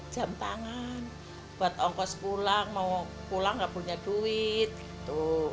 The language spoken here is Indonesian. bu mau jual jam tangan buat ongkos pulang mau pulang gak punya duit gitu